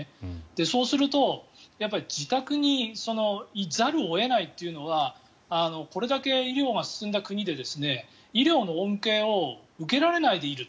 そうすると自宅にいざるを得ないというのはこれだけ医療が進んだ国で医療の恩恵を受けられないでいる。